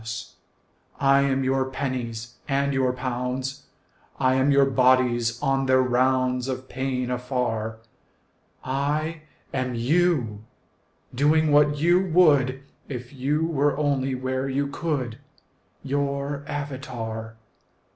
188 AUXILIARIES I am your pennies and your pounds; I am your bodies on their rounds Of pain afar; I am you, doing what you would If you were only where you could —■ Your avatar.